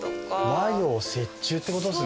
和洋折衷ってことですね。